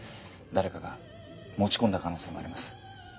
誰かが持ち込んだ可能性もあります